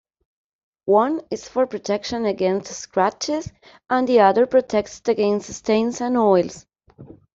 One is for protection against scratches, and the other protects against stains and oils.